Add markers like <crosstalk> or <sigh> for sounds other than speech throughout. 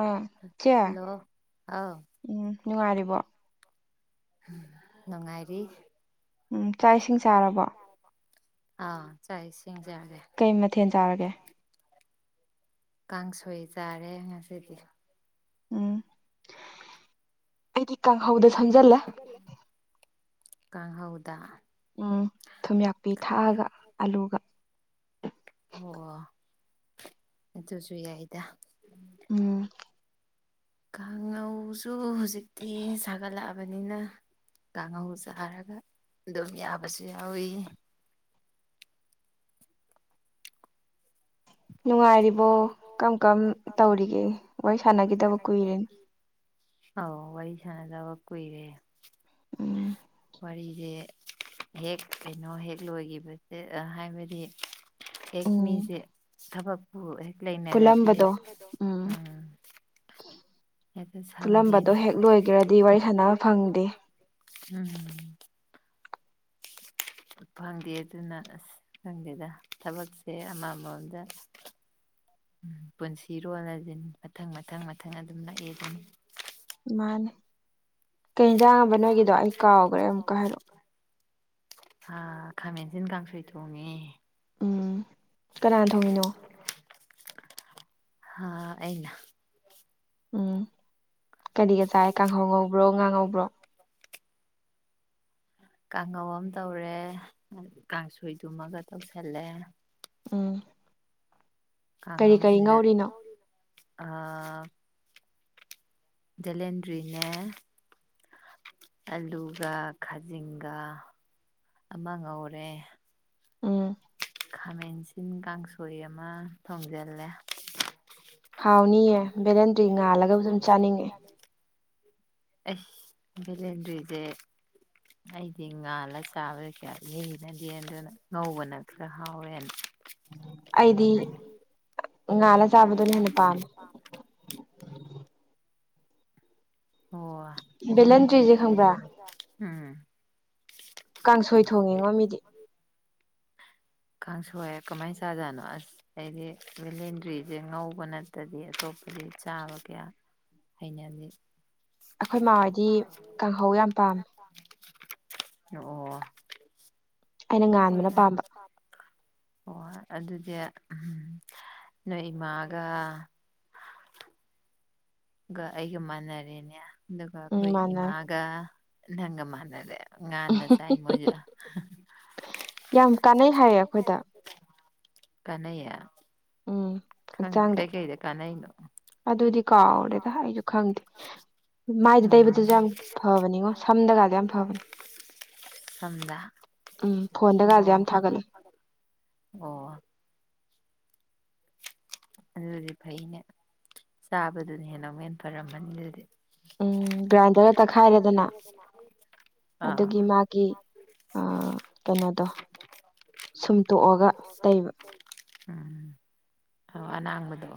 ꯑꯥ ꯆ° ꯅꯨꯡꯉꯥꯏꯔꯤꯕꫭ ꯅꯨꯡꯉꯥꯏꯔꯤ ꯆꯥꯛ ꯏꯁꯤꯡ ꯆꯔꯕꫭ ꯑꯥ ꯆꯥꯛ ꯏꯁꯤꯡ ꯆꯔꯦ꯫ ꯀꯩ ꯃꯊꯦꯜ ꯆꯥꯔꯒꯦ꯫ ꯀꯥꯡꯁꯣꯏ ꯆꯥꯔꯦ ꯉꯁꯤꯗꯤ꯫ ꯎꯝ꯫ ꯑꯩꯗꯤ ꯀꯥꯡꯍꯧ ꯀꯥꯡꯉꯧꯗ ꯁꯝꯖꯤꯟꯔ° ꯀꯥꯡꯉꯧꯗ꯫ ꯎꯝ ꯊꯨꯝꯌꯥꯛꯄꯤ ꯊꯛꯑꯒ ꯑꯂꯨꯒ꯫ ꯑꯣ ꯑꯗꯨꯁꯨ ꯌꯥꯏꯗ꯫ ꯎꯝ꯫ ꯀꯥꯡꯉꯧꯁꯨ ꯍꯧꯖꯤꯛꯇꯤ ꯁꯥꯒꯠꯂꯛꯑꯕꯅꯤꯅ꯫ ꯀꯥꯡꯉꯧ ꯆꯔꯒ ꯑꯗꯨꯝ ꯌꯥꯕꯁꯨ ꯌꯥꯎꯋꯤ꯫ ꯅꯨꯡꯉꯥꯏꯔꯤꯕꯣ ꯀꯔꯝ ꯀꯔꯝ ꯇꯧꯔꯤꯒꯦ ꯋꯥꯔꯤ ꯁꯥꯟꯅꯈꯤꯗꯕ ꯀꯨꯏꯔꯦ꯫ ꯑꯧ ꯋꯥꯔꯤ ꯁꯥꯟꯅꯗꯥꯕ ꯀꯨꯏꯔꯦ꯫ ꯎꯝ꯫ ꯋꯥꯔꯤꯁꯦ ꯍꯦꯛ ꯀꯩꯅꯣ ꯍꯦꯛ ꯂꯣꯏꯈꯤꯕ ꯍꯥꯏꯕꯗꯤ ꯍꯦꯛ ꯃꯤꯁꯦ ꯊꯕꯛꯄꯨ ꯍꯦꯛ ꯂꯩꯅ ꯄꯨꯂꯝꯕꯗꯣ ꯎꯝ ꯍꯦꯛꯇ ꯁꯪꯗꯦꯅꯦ ꯑꯝꯕꯗꯣ ꯍꯦꯛ ꯂꯣꯏꯒꯔꯗꯤ ꯋꯥꯔꯤ ꯁꯥꯟꯅꯕ ꯐꯪ ꯗꯦ ꯐꯪꯗꯦ ꯑꯗꯨꯅ ꯑꯁ ꯈꯪꯗꯦꯗ ꯊꯕꯛꯁꯦ ꯑꯃ ꯑꯃꯗ ꯎꯝ ꯄꯨꯟꯁꯤꯔꯣꯜ ꯍꯥꯢꯁꯤ ꯃꯊꯪ ꯃꯊꯪ ꯃꯊꯪ ꯑꯗꯨꯝ ꯂꯥꯛꯑꯦ ꯗꯨꯅꯤ ꯃꯥꯅꯦ ꯀꯩ ꯍ°ꯟꯖꯥꯡ ꯍꯥꯕ ꯅꯣꯏꯒꯤꯗꯣ ꯑꯩ ꯀꯥꯎꯒ꯭ꯔꯦ ꯑꯃꯨꯛꯀ ꯍꯥꯏꯔꯛꯑꯣ ꯍꯥ ꯈꯥꯃꯦꯟꯁꯤꯟ ꯀꯥꯡꯁꯣꯏ ꯊꯣꯡꯉꯦ ꯎꯝ ꯀꯅꯥꯅ ꯊꯣꯡꯉꯤꯅꯣ ꯍꯥ ꯑꯩꯅ ꯎꯝ ꯀꯔꯤꯒ ꯆꯥꯏ ꯀꯥꯡꯍꯧ ꯉꯧꯕ꯭ꯔꯣ ꯉꯥ ꯉꯧꯕ꯭ꯔꯣ <inaudible> ꯀꯥꯡꯉꯧ ꯑꯝ ꯇꯧꯔꯦ ꯑ ꯀꯥꯡꯁꯣꯏ ꯗꯨꯝꯃꯒ ꯇꯧꯁꯜꯂꯦ ꯎꯝ ꯀꯥꯡꯉꯧ ꯖꯤꯅꯥ ꯀꯩ ꯀꯩ ꯉꯧꯔꯤꯅꯣ ꯑꯥ ꯗꯦꯂꯦꯟꯗ꯭ꯔꯤꯅꯦ ꯑꯂꯨꯒ ꯈꯥꯖꯤꯡꯒ ꯑꯃ ꯉꯧꯔꯦ ꯈꯥꯃꯦꯟꯁꯤꯟ ꯀꯥꯡꯁꯣꯏ ꯑꯃ ꯊꯣꯡꯖꯤꯜꯂꯦ ꯍꯥꯎꯅꯤꯌꯦ ꯕꯦꯂꯦꯟꯗ꯭ꯔꯤ ꯉꯥꯜꯂꯒ ꯕꯗꯨꯝ ꯆꯥꯅꯤꯡꯉꯦ ꯑꯦꯁ ꯚꯦꯂꯦꯟꯗ꯭ꯔꯤꯖꯦ ꯑꯩꯗꯤ ꯉꯥꯜꯂ ꯆꯥꯕ ꯀꯌꯥ ꯏꯌꯩ ꯌꯩꯅꯗꯦ ꯑꯗꯨꯅ ꯉꯧꯕꯅ ꯈꯔ ꯍꯥꯎꯋꯦꯅ ꯑꯩꯗꯤ ꯉꯂꯥ ꯆꯥꯕꯗꯨꯅ ꯍꯦꯟꯅ ꯄꯥꯝꯃꯦ ꯑꯣ ꯚꯦꯂꯦꯗ꯭ꯔꯤꯖꯦ ꯊꯧꯗꯥ ꯎꯝ ꯀꯥꯡꯁꯣꯏ ꯊꯣꯡꯉꯤꯉꯣ ꯃꯤꯗꯤ ꯀꯥꯡ ꯁꯣꯏ ꯀꯃꯥꯏ ꯆꯥꯖꯥꯠꯅꯣ ꯑꯁ ꯑꯩꯗꯤ ꯚꯦꯂꯦꯟꯗ꯭ꯔꯤꯖꯦ ꯉꯧꯕ ꯅꯠꯇꯗꯤ ꯑꯇꯣꯞꯄꯗꯤ ꯆꯥꯕ ꯀꯌꯥ ꯍꯩꯅꯗꯦ ꯑꯩꯈꯣꯏ ꯃꯥ ꯍꯣꯏꯗꯤ ꯀꯥꯡꯍꯧ ꯌꯥꯝ ꯄꯥꯝꯃꯦ ꯄꯥꯝ <unintelligible> ꯑꯣ ꯂꯐꯣꯏꯅꯤ ꯉꯥꯟꯕ ꯄꯥꯝꯕ ꯑꯣ ꯑꯗꯨꯗꯤ ꯅꯣꯏ ꯏꯃꯥꯒ ꯒ ꯑꯩꯒ ꯃꯥꯟꯅꯔꯦꯅꯦ ꯑꯗꯨꯒ ꯑꯩꯈꯣꯏ ꯏꯃꯥꯒ ꯅꯪꯒ ꯃꯥꯟꯅꯔꯦ ꯉꯥꯟꯅ ꯆꯥꯏ ꯃꯣꯢꯖꯨ ꯌꯥꯝ ꯀꯥꯟꯅꯩ ꯍꯥꯢꯌꯦ ꯀꯥꯟꯅꯩꯌꯦ ꯈꯪꯗꯦ ꯀꯩ ꯀꯩꯗ ꯀꯥꯟꯅꯩꯩꯅꯣ ꯑꯗꯨꯗꯤ ꯀꯥꯎꯔꯦ ꯈꯪꯗꯦ ꯎꯝ ꯃꯥꯢꯗ ꯇꯩꯕꯗꯖꯨ ꯌꯥꯝ ꯐꯕꯅꯤ ꯁꯝꯗꯒꯖꯦ ꯑꯩ ꯁꯝꯗ ꯎꯝ ꯑꯣ <unintelligible> ꯑꯣ ꯑꯗꯨꯗꯤ ꯐꯩꯅꯦ ꯆꯥꯕꯗꯨꯅ ꯍꯦꯟꯅ ꯑꯃꯨꯛꯍꯦꯟꯅ ꯐꯔꯝꯃꯅꯤ ꯑꯗꯨꯗꯤ ꯎꯝ ꯒ꯭ꯔꯥꯏꯟꯗꯔꯗ ꯇꯛꯈꯥꯏꯔꯦꯗꯅ ꯃꯅꯥ ꯎꯡ ꯑꯗꯨꯒꯤ ꯃꯥꯒꯤ ꯑꯥ ꯀꯩꯅꯣꯗꯣ ꯁꯨꯝꯇꯣꯛꯑꯒ ꯇꯩꯕ ꯎꯝ ꯑꯣ ꯑꯅꯥꯥꯡꯕꯗꯣ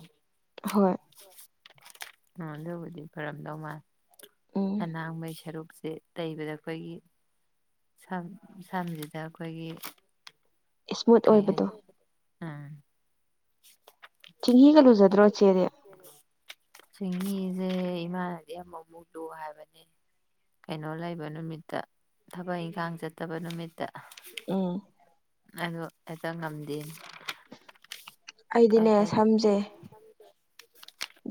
ꯍꯣꯏ ꯑꯥ ꯑꯗꯨꯕꯨꯗꯤ ꯐꯔꯝꯗꯧ ꯃꯥꯜꯂꯤ ꯑꯅꯥꯡꯕꯩ ꯁꯔꯨꯛꯁꯤ ꯇꯩꯕꯗ ꯑꯩꯈꯣꯏꯒꯤ ꯁꯝ ꯁꯝꯖꯤꯗ ꯑꯩꯈꯣꯏꯒꯤ ꯀꯩ ꯍꯥꯢꯅꯤ ꯑꯥ <unintelligible> ꯆꯤꯡꯍꯤꯖꯦ ꯏꯃꯥꯅꯗꯤ ꯑꯃꯨ ꯃꯨꯛ ꯂꯨ ꯍꯥꯢꯕꯅꯤ ꯀꯩꯅꯣ ꯂꯩꯕ ꯅꯨꯃꯤꯠꯇ ꯊꯕꯛ ꯏꯪꯈꯥꯡ ꯆꯠꯇꯕ ꯅꯨꯃꯤꯠꯇ ꯎꯝ ꯑꯗꯨ ꯍꯦꯛꯇ ꯉꯝꯗꯦꯅꯦ ꯑꯩꯗꯤꯅꯦ ꯁꯝꯖꯦ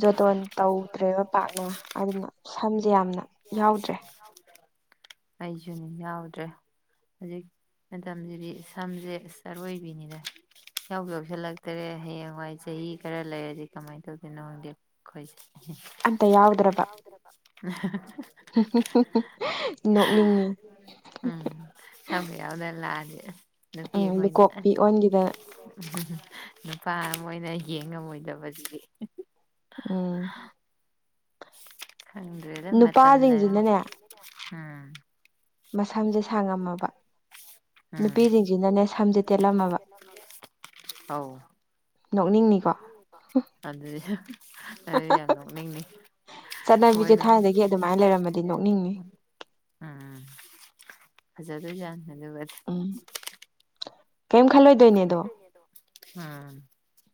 ꯖꯣꯇꯣꯟ ꯇꯧꯗ꯭ꯔꯦꯕ ꯄꯥꯛꯅ ꯑꯗꯨꯅ ꯁꯝꯖꯦ ꯌꯥꯝꯅ ꯌꯥꯎꯗ꯭ꯔꯦ ꯍꯥꯎꯗꯤꯔꯕ ꯑꯩꯁꯨꯅꯦ ꯌꯥꯎꯗ꯭ꯔꯦ ꯍꯧꯖꯤꯛ ꯃꯇꯝꯁꯤꯗꯤ ꯁꯝꯁꯦ ꯑꯔꯣꯏꯕꯤꯅꯤꯗ ꯌꯥꯎꯕꯨ ꯌꯥꯎꯁꯜꯂꯛꯇꯔꯦ ꯍꯌꯦꯡꯋꯥꯏ ꯆꯍꯤ ꯈꯔ ꯂꯩꯔꯗꯤ ꯀꯃꯥꯏꯅ ꯇꯧꯗꯣꯏꯅꯣ ꯈꯪꯗꯦ ꯑꯩꯈꯣꯏꯁꯦ ꯑꯝꯇ ꯌꯥꯎꯗ꯭ꯔꯕ ꯅꯣꯛꯅꯤꯡꯉꯦ ꯎꯝ ꯁꯝꯒ ꯌꯥꯎꯗꯅ ꯂꯥꯛꯑꯗꯤ ꯅꯨꯄꯤ ꯑꯩꯈꯣꯏꯅ ꯑ ꯂꯨꯀꯣꯛꯄꯤ ꯑꯣꯟꯒꯤꯕ ꯎꯝ ꯅꯨꯄꯥ ꯃꯣꯏꯅ ꯌꯦꯡ ꯉꯝꯃꯣꯏꯗꯕꯁꯤꯗꯤ ꯎꯝ ꯈꯪꯗ꯭ꯔꯦꯗ ꯃꯇꯝ ꯂꯩ ꯅꯨꯄꯥ ꯁꯤꯡꯁꯤꯗꯤꯅꯦ ꯃꯁꯝꯁꯦ ꯁꯥꯡꯉꯝꯃꯕ ꯅꯨꯄꯤꯁꯤꯡꯁꯤꯅꯅꯦ ꯁꯝꯁꯦ ꯇꯦꯜꯂꯝꯃꯕ ꯍꯥꯎ ꯅꯣꯛꯅꯤꯡꯅꯤꯀꯣ ꯑꯗꯨ ꯑꯗꯨꯗꯤ ꯌꯥꯝ ꯅꯣꯛꯅꯤꯡꯅꯤ ꯃꯣꯏꯅ ꯑ ꯐꯖꯗꯣꯏ ꯖꯥꯠꯅꯤ ꯑꯗꯨꯒꯗꯤ ꯎꯝ ꯀꯦꯝ ꯈꯜꯂꯣꯏꯗꯣꯏꯅꯦ ꯑꯗꯣ ꯑ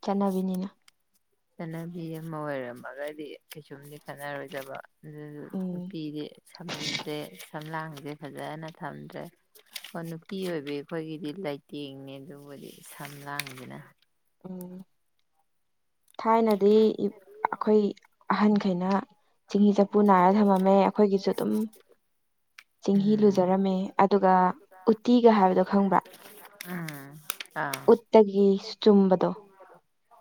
ꯆꯠꯅꯕꯤꯅꯤꯅ ꯆꯠꯅꯕꯤ ꯑꯃ ꯑꯣꯏꯔꯝꯃꯒꯗꯤ ꯀꯩꯁꯨꯝꯗꯤ ꯈꯠꯅꯔꯣꯏꯗꯕ ꯑꯗꯨꯖꯨ ꯅꯨꯄꯤꯗꯤ ꯁꯝꯖꯦ ꯁꯝꯂꯥꯡꯁꯦ ꯐꯖꯅ ꯊꯝꯗ꯭ꯔꯦ ꯍꯣ ꯅꯨꯄꯤ ꯑꯣꯏꯕꯤ ꯑꯩꯈꯣꯏꯒꯤꯗꯤ ꯂꯩꯇꯦꯡꯅꯦ ꯑꯗꯨꯕꯨꯗꯤ ꯁꯝꯂꯥꯡꯖꯤꯅ ꯎꯝ ꯊꯥꯏꯅꯗꯤ ꯏ ꯑꯩꯈꯣꯏ ꯑꯍꯟꯈꯩꯅ ꯆꯦꯡꯍꯤ ꯆꯐꯨ ꯅꯥꯔ ꯊꯝꯃꯝꯃꯦ ꯑꯩꯈꯣꯏꯒꯤꯁꯨ ꯑꯗꯨꯝ ꯆꯦꯡꯍꯤ ꯂꯨꯖꯔꯝꯃꯦ ꯑꯗꯨꯒ ꯎꯇꯤꯒ ꯍꯥꯏꯕꯗꯣ ꯈꯪꯕ꯭ꯔꯥ ꯎꯠꯇꯒꯤ ꯆꯨꯝꯕꯗꯣ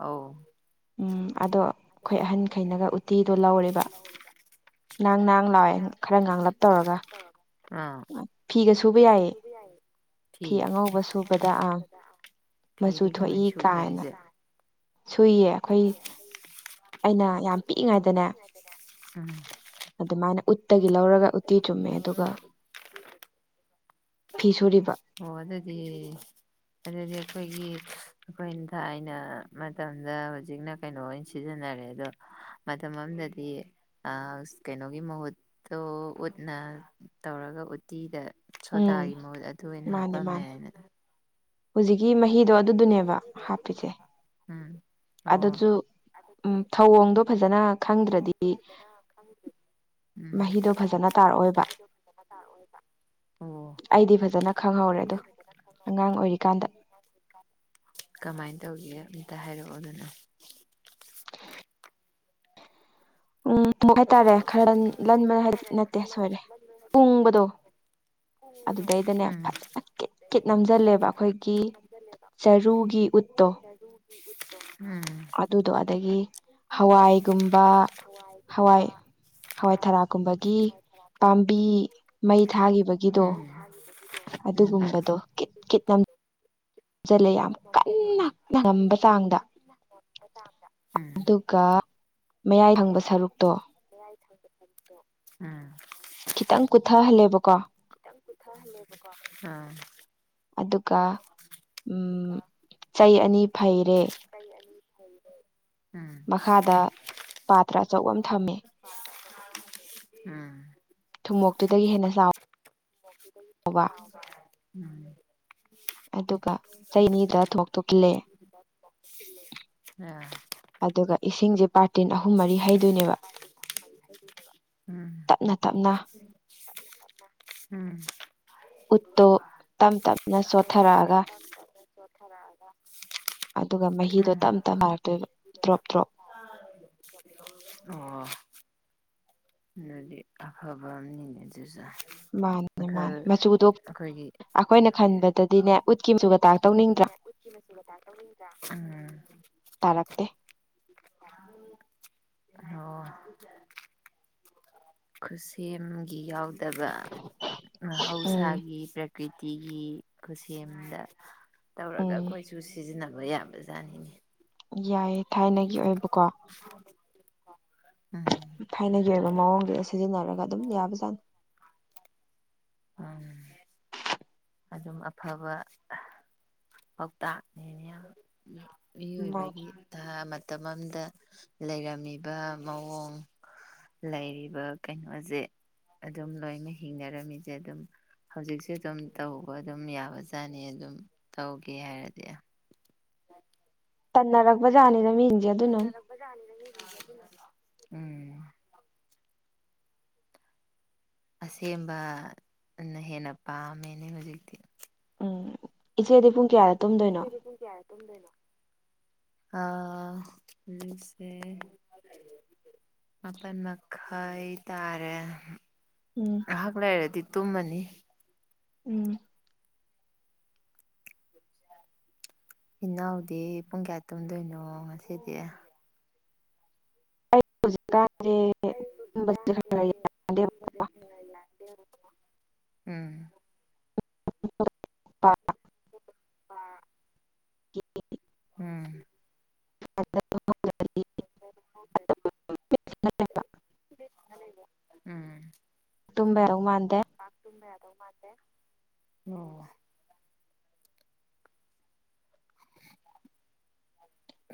ꯑꯧ ꯎꯝ ꯑꯗꯣ ꯑꯩꯈꯣꯏ ꯑꯍꯟꯈꯩꯅꯒ ꯎꯠꯇꯤꯗꯣ ꯂꯧꯔꯦꯕ ꯅꯥꯡ ꯅꯥꯡ ꯂꯥꯛꯑꯦ ꯈꯔ ꯉꯥꯡꯂꯞ ꯇꯧꯔꯒ ꯑ ꯐꯤꯒ ꯁꯨꯕ ꯌꯥꯏꯌꯦ ꯐꯤ ꯑꯉꯧꯕ ꯁꯨꯕꯗ ꯑꯥ ꯃꯆꯨ ꯊꯣꯛꯏ ꯀꯥꯏꯅ ꯁꯨꯏꯌꯦ ꯑꯩꯈꯣꯏ ꯑꯩꯅ ꯌꯥꯝ ꯄꯤꯛꯏꯉꯩꯗꯅꯦ ꯎꯝ ꯑꯗꯨꯃꯥꯏꯅ ꯎꯠꯇꯒꯤ ꯂꯧꯔꯒ ꯎꯠꯇꯤ ꯆꯨꯝꯃꯦ ꯑꯗꯨꯒ ꯐꯤ ꯁꯨꯔꯤꯕ ꯑꯣ ꯑꯗꯨꯗꯤ ꯑꯗꯨꯗꯤ ꯑꯩꯈꯣꯏꯒꯤ ꯑꯩꯈꯣꯏꯅ ꯊꯥꯏꯅ ꯃꯇꯝꯗ ꯍꯧꯖꯤꯛꯅ ꯀꯩꯅꯣ ꯑꯣꯏꯅ ꯁꯤꯖꯤꯟꯅꯔꯦ ꯑꯗꯣ ꯃꯇꯝ ꯑꯝꯗꯗꯤ ꯑꯁ ꯀꯩꯅꯣꯒꯤ ꯃꯍꯨꯠꯇꯣ ꯎꯠꯅ ꯇꯧꯔꯒ ꯎꯠꯇꯤꯗ ꯁꯣꯗꯥꯒꯤ ꯃꯍꯨꯠ ꯑꯗꯨ ꯑꯣꯏꯅ ꯍꯥꯞꯄꯝꯃꯦꯅ ꯍꯧꯖꯤꯛꯀꯤ ꯃꯍꯤꯗꯣ ꯑꯗꯨꯗꯨꯅꯦꯕ ꯍꯥꯞꯄꯤꯁꯦ ꯑꯗꯨꯁꯨ ꯎꯝ ꯊꯧꯑꯣꯡꯗꯣ ꯐꯖꯅ ꯊꯧꯑꯣꯡꯗꯣ ꯐꯖꯅ ꯈꯪꯗ꯭ꯔꯦ ꯃꯍꯤꯗꯣ ꯐꯖꯅ ꯇꯥꯔꯛꯑꯣꯏꯕ ꯑꯩꯗꯤ ꯐꯖꯅ ꯈꯪꯍꯧꯔꯦ ꯑꯗꯨ ꯑꯉꯥꯡ ꯑꯣꯏꯔꯤ ꯀꯃꯥꯏꯟ ꯇꯧꯒꯤꯒꯦ ꯑꯝꯇ ꯍꯥꯏꯔꯛꯑꯣꯗꯅ ꯎꯝ ꯃꯨꯛ ꯍꯥꯏꯇꯥꯔꯦ ꯈꯔꯟ ꯂꯟꯕꯗꯤ ꯅꯠꯇꯦ ꯁꯣꯏꯔꯦ ꯄꯨꯡꯕꯗꯣ ꯑꯗꯨꯗꯩꯗꯅꯦ ꯐꯖꯅ ꯀꯤꯠ ꯀꯤꯠ ꯅꯝꯖꯜꯂꯦꯕ ꯑꯩꯈꯣꯏꯒꯤ ꯆꯔꯨꯒꯤ ꯎꯠꯇꯣ ꯎꯝ ꯑꯗꯨꯗꯣ ꯑꯗꯒꯤ ꯍꯋꯥꯏꯒꯨꯝꯕ ꯍꯋꯥꯏ ꯍꯋꯥꯏ ꯊꯔꯥꯛꯀꯨꯝꯕꯒꯤ ꯄꯥꯝꯕꯤ ꯃꯩ ꯊꯥꯒꯤꯕꯒꯤꯗꯣ ꯑꯗꯨꯒꯨꯝꯕꯗꯣ ꯀꯤꯠ ꯀꯤꯠ ꯅꯝ ꯖꯜꯂꯦ ꯌꯥꯝ ꯀꯟꯅ ꯉꯝꯕ ꯆꯥꯡꯗ ꯎꯝ ꯃꯌꯥꯏ ꯊꯪꯕ ꯁꯔꯨꯛꯇꯣ ꯃꯌꯥꯏ ꯊꯪꯕ ꯁꯔꯨꯛꯇꯣ ꯎꯝ ꯈꯤꯛꯇꯪ ꯄꯤꯛꯊꯍꯜꯂꯦꯕꯀꯣ ꯎꯝ ꯑꯗꯨꯒ ꯎꯝ ꯆꯩ ꯑꯅꯤ ꯐꯩꯔꯦ ꯆꯩ ꯑꯅꯤ ꯐꯩꯔꯦ ꯎꯝ ꯃꯈꯥꯗ ꯎꯝ ꯊꯨꯝꯃꯣꯛꯇꯨꯗꯒꯤ ꯍꯦꯟꯅ ꯆꯥꯎ ꯊꯨꯃꯣꯛꯇꯨꯗꯒꯤ ꯍꯦꯟꯅ ꯆꯥꯎꯕ ꯎꯝ <unintelligible> ꯇꯨꯛꯂꯦ ꯑꯥ ꯑꯗꯨꯒ ꯏꯁꯤꯡꯖꯦ ꯄꯥ ꯇꯤꯟ ꯑꯍꯨꯝ ꯃꯔꯤ ꯍꯩꯗꯣꯏꯅꯦꯕ ꯇꯞꯅ ꯇꯞꯅ ꯎꯝ ꯎꯠꯇꯣ ꯇꯝ ꯇꯞꯅ ꯆꯣꯠꯊꯔꯛꯑꯒ ꯆꯣꯠꯊꯔꯛꯑꯒ ꯑꯗꯨꯒ ꯃꯍꯤꯗꯣ ꯇꯝ ꯇꯞ ꯍꯥꯏꯔꯛꯇꯣꯏꯕ ꯗ꯭ꯔꯣꯞ ꯗ꯭ꯔꯣꯞ ꯑꯣ ꯑꯗꯨꯗꯤ ꯑꯐꯕ ꯑꯝꯅꯤꯅꯦ ꯑꯗꯨꯖꯨ ꯃꯈꯜ ꯑꯩꯈꯣꯏꯒꯤ ꯑꯩꯈꯣꯏꯅ ꯈꯟꯕꯗꯗꯤꯅꯦ ꯎꯠꯀꯤ ꯃꯆꯨꯝꯒ ꯇꯥꯔꯛꯇꯧ ꯇꯧꯅꯤꯡꯗ꯭ꯔꯥ ꯑꯥ ꯇꯥꯔꯛꯇꯦ ꯑꯣ ꯈꯨꯠꯁꯦꯝꯒꯤ ꯌꯥꯎꯗꯕ ꯃꯍꯧꯁꯥꯒꯤ ꯄ꯭ꯔꯦꯛ ꯀꯤꯇꯤꯒꯤ ꯈꯨꯠꯁꯦꯝꯗ ꯇꯧꯔꯒ ꯑꯩꯈꯣꯏꯁꯨ ꯁꯤꯖꯤꯟꯅꯕ ꯌꯥꯕꯖꯥꯠꯅꯤꯅꯦ ꯌꯥꯏꯌꯦ ꯊꯥꯏꯅꯒꯤ ꯑꯣꯏꯕꯀꯣ ꯊꯥꯏꯅꯒꯤ ꯑꯣꯏꯕ ꯃꯑꯣꯡꯗꯨꯗ ꯁꯤꯖꯤꯟꯅꯔꯒ ꯑꯗꯨꯝ ꯌꯥꯕꯖꯥꯠꯅꯤ ꯑꯝ ꯑꯗꯨꯝ ꯑꯐꯕ ꯄꯥꯎꯇꯥꯛꯅꯦꯅꯦ ꯌꯥꯝ ꯌꯥꯝ ꯃꯤꯑꯣꯏꯕꯒꯤ ꯇꯥ ꯃꯇꯝ ꯑꯝꯗ ꯂꯩꯔꯝꯃꯤꯕ ꯃꯑꯣꯡ ꯂꯩꯔꯤꯕ ꯀꯩꯅꯣꯖꯦ ꯑꯗꯨꯝ ꯂꯣꯏꯅ ꯍꯤꯡꯅꯔꯝꯃꯤꯖꯦ ꯑꯗꯨꯝ ꯍꯧꯖꯤꯛꯁꯨ ꯑꯗꯨꯝ ꯇꯧꯕ ꯑꯗꯨꯝ ꯌꯥꯕꯖꯥꯠꯅꯤ ꯑꯗꯨꯝ ꯇꯧꯒꯦ ꯍꯥꯏꯔꯗꯤ ꯇꯟꯅꯔꯛꯄꯖꯥꯠꯅꯤꯗ‌ ꯃꯤꯖꯤꯡꯖꯦ ꯇꯟꯅꯔꯛꯄꯖꯥꯅꯤꯗ ꯃꯤꯁꯤꯡꯁꯦ ꯑꯗꯨꯅꯁꯨ ꯎꯝ ꯑꯁꯦꯡꯕꯅ ꯍꯦꯟꯅ ꯄꯥꯝꯃꯦꯅꯦ ꯍꯧꯖꯤꯛꯇꯤ ꯎꯝ ꯏꯆꯦꯗꯤ ꯄꯨꯡ ꯀꯌꯥꯗ ꯏꯆꯦꯗꯤ ꯄꯨꯡ ꯀꯌꯥꯗ ꯇꯨꯝꯗꯣꯏꯅꯣ ꯑꯥ ꯍꯧꯖꯤꯛꯁꯦ ꯃꯥꯄꯟ ꯃꯈꯩ ꯇꯥꯔꯦ ꯎꯝ ꯉꯥꯍꯥꯛ ꯂꯩꯔꯗꯤ ꯇꯨꯝꯃꯅꯤ ꯎꯝ ꯏꯅꯥꯎꯗꯤ ꯄꯨꯡ ꯀꯌꯥꯗ ꯇꯨꯝꯗꯣꯏꯅꯣ ꯉꯁꯤꯗꯤ ꯑꯩ ꯍꯨꯖꯤꯛꯀꯥꯟꯁꯦ ꯇꯨꯝꯕꯁꯤꯁꯨ ꯈꯔ ꯇꯨꯝꯕꯁꯦ ꯈꯔ ꯌꯥꯔꯛꯇꯦꯕꯀꯣ ꯎꯝ <unintelligible> <unintelligible> ꯎꯝ <unintelligible> <inaudible> ꯎꯝ ꯇꯨꯝꯕ ꯌꯥꯗꯧ ꯃꯥꯟꯗꯦ ꯄꯥꯛ ꯇꯨꯝꯕ ꯌꯥꯗꯧ ꯃꯥꯟꯗꯦ ꯑꯣ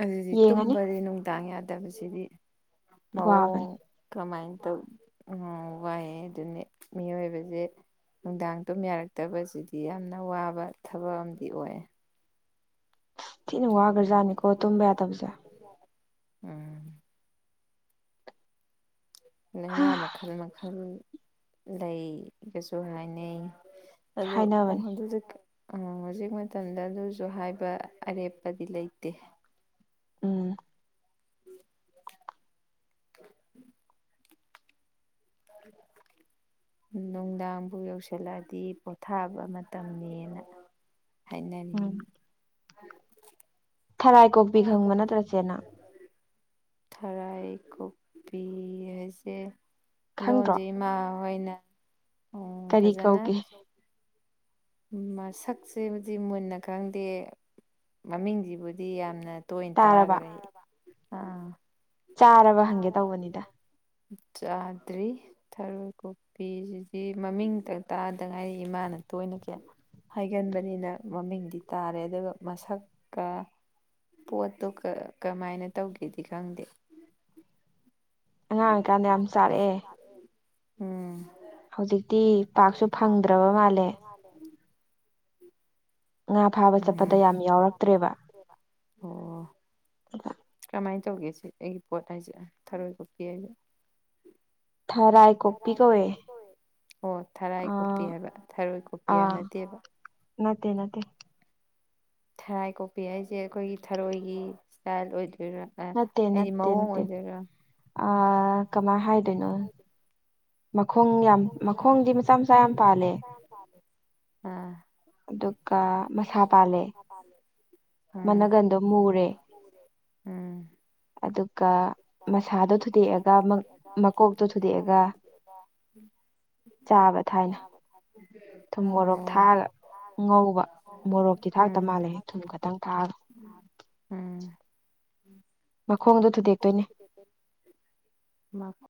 ꯑꯗꯨꯗꯤ ꯇꯨꯝꯕꯗꯤ ꯅꯨꯡꯗꯥꯡ ꯌꯥꯗꯕꯁꯤꯗꯤ ꯃꯑꯣꯡ ꯀꯃꯥꯏꯅ ꯇꯧ ꯋꯥꯏꯑꯦꯗꯨꯅꯤ ꯃꯤꯑꯣꯏꯕꯁꯦ ꯅꯨꯡꯗꯥꯡ ꯇꯨꯝ ꯌꯥꯔꯛꯇꯕꯁꯤꯗꯤ ꯌꯥꯝꯅ ꯋꯥꯕ ꯊꯕꯛ ꯑꯃꯗꯤꯝ ꯑꯣꯏ ꯊꯤꯅ ꯋꯥꯈ꯭ꯔꯖꯥꯠꯅꯤꯀꯣ ꯇꯨꯝꯕ ꯌꯥꯗꯕꯁꯦ ꯂꯥꯏꯅꯥ ꯃꯈꯜ ꯃꯈꯜ ꯂꯩ ꯒꯁꯨ ꯍꯥꯏꯅꯩ ꯑꯗꯨ ꯑꯣ ꯑꯗꯨꯗꯤ ꯀ ꯑꯣ ꯍꯧꯖꯤꯛ ꯃꯇꯝꯗ ꯑꯗꯨꯁꯨ ꯍꯥꯏꯕ ꯑꯔꯦꯞꯄꯗꯤ ꯂꯩꯇꯦ ꯎꯝ <unintelligible> <unintelligible> ꯅꯨꯡꯗꯥꯡꯕꯨ ꯌꯧꯁꯤꯜꯂꯛꯑꯗꯤ ꯄꯣꯊꯥꯕ ꯃꯇꯝꯅꯤꯅ ꯍꯥꯏꯅꯔꯤꯟ ꯊꯔꯥꯏ ꯀꯣꯄꯤ ꯈꯪꯕ ꯅꯠꯇ꯭ꯔ ꯆꯦ ꯅꯪ ꯊꯔꯥꯏ ꯀꯣꯄꯤ ꯍꯥꯏꯁꯦ ꯂꯣꯟꯖꯩ ꯏꯃꯥ ꯍꯣꯏꯅ ꯑꯣ ꯐꯖꯅ ꯃꯁꯛꯁꯦꯕꯨꯗꯤ ꯃꯨꯟꯅ ꯈꯪꯗꯦ ꯃꯃꯤꯡꯁꯤꯕꯨꯗꯤ ꯌꯥꯝꯅ ꯇꯣꯟ ꯇꯥꯒꯔꯦ ꯇꯥꯔꯕꯔ ꯑꯥ ꯆꯥꯔꯕꯥ ꯍꯪꯒꯦ ꯇꯧꯟ ꯆꯥꯗ꯭ꯔꯤ ꯊꯔꯣꯏ ꯀꯣꯄꯤꯁꯤꯗꯤ ꯃꯃꯤꯡꯇ ꯇꯥꯗꯉꯥꯏ ꯏꯃꯥꯅ ꯇꯣꯏꯅꯈꯤ ꯍꯥꯏꯒꯟꯕꯅꯤꯅ ꯃꯃꯤꯡꯗꯤ ꯇꯥꯔꯦ ꯑꯗꯨꯒ ꯃꯁꯛꯀ ꯄꯣꯠꯇꯣ ꯀ ꯀꯃꯥꯏꯅ ꯇꯧꯒꯦꯗꯤ ꯈꯪꯗꯦ ꯑꯉꯥꯡ ꯑꯣꯏꯀꯥꯟꯗ ꯌꯥꯝ ꯆꯥꯔꯛꯑꯦ <unintelligible> ꯎꯝ ꯍꯧꯖꯤꯛꯇꯤ ꯄꯥꯛꯁꯨ ꯐꯪꯗ꯭ꯔꯕ ꯃꯥꯜꯂꯦ <inaudible> ꯉꯥ ꯐꯥꯕ ꯆꯠꯄꯗ‌ꯣ ꯌꯥꯝ ꯌꯥꯎꯔꯛꯇ꯭ꯔ‌ꯦꯕ ꯑ‌ꯣ <inaudible> ꯀꯃꯥꯏꯅ ꯇꯧꯒꯦ ꯁꯤ ꯑꯩꯒꯤ ꯄꯣꯠ ꯍꯥꯏꯁꯦ ꯊꯔꯣꯏ ꯀꯣꯛꯄꯤ ꯍꯥꯏꯁꯦ ꯊꯥꯔꯥꯏ ꯊꯔꯥꯏ ꯀ‌ꯣꯛꯄꯤ ꯀꯧꯋ‌ꯦ ꯑ‌ꯣ ꯊꯔꯥꯏ ꯀ‌ꯣꯛꯄꯤ ꯍꯥꯏꯕ ꯊꯔꯣꯏ ꯀꯣꯛꯄꯤ ꯍꯥꯏꯕ ꯅꯠꯇꯦꯕ ꯅꯠꯇꯦ ꯅꯠꯇꯦ ꯊꯔꯥꯏ ꯀꯣꯛꯄꯤ ꯍꯥꯏꯁꯦ ꯑꯩꯈꯣꯏꯒꯤ ꯊꯔꯣꯏꯒꯤ ꯏꯁꯇꯥꯏꯜ ꯑꯣꯏꯗꯣꯏꯔꯥ ꯑ ꯍꯥꯏꯗꯤ ꯃꯑꯣꯡ ꯑꯣꯏꯗꯣꯏꯔꯥ ꯑ ꯀꯃꯥꯏ ꯍꯥꯏꯗꯣꯏꯅꯣ ꯃꯈꯣꯡ ꯌꯥꯝ ꯃꯈꯣꯡꯗꯤ ꯃꯆꯥ ꯃꯆꯥ ꯌꯥꯝ ꯄꯥꯜꯂꯦ ꯌꯥꯝ ꯄꯥꯜꯂ‌ꯦ ꯑꯥ ꯑꯗꯨꯒ ꯃꯁꯥ ꯄꯥꯜꯂꯦ ꯎꯝ ꯎꯝ ꯑꯗꯨꯒ ꯃꯁꯥꯗꯣ ꯊꯨꯗꯦꯛꯑꯒ ꯃ‌ ꯃꯀꯣꯛꯇꯣ ꯊꯨꯗꯦꯛꯑꯒ <inaudible> ꯆꯥꯕ ꯊꯥꯏꯅ ꯊꯨꯝ ꯃꯣꯔꯣꯛ ꯊꯥꯛꯑꯒ ꯉꯧꯕ ꯃꯣꯔꯣꯛꯇꯤ ꯊꯥꯛꯇ ꯃꯥꯜꯂꯦꯍ‌ꯦ ꯊꯨꯝ ꯈꯛꯇꯪ ꯊꯥꯛꯑꯒ ꯎꯝ ꯃꯈꯣꯡꯗꯣ ꯊꯨꯗꯦꯛꯇꯣꯏꯅꯦ ꯃꯥ